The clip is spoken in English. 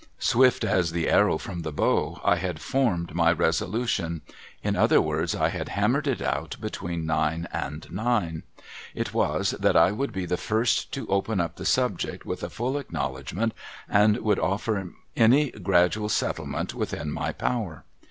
Swift as the arrow from the bow, I had formed my resolution; SOMEBODY IN PRINT 319 in other words, I had hammered it out between nine and nine. It Avas, that I would be the first to open up the subject with a full acknowledgment, and would offer any gradual settlement within my power.